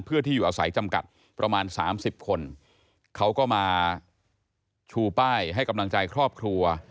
เพื่อที่อยู่อาศัยจำกัดประมาณสามสิบคนเขาก็มาชูป้ายให้กำลังใจครอบครัว